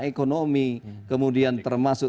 ekonomi kemudian termasuk